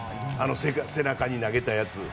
背中に投げたやつ。